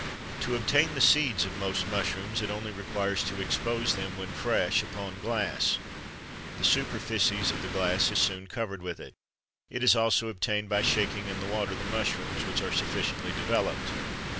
To obtain the seeds of most mushrooms, it only requires to expose them, when fresh, upon glass; the superficies of the glass is soon covered with it. It is also obtained by shaking in the water the mushrooms which are sufficiently developed.